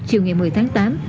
chiều ngày một mươi tháng tám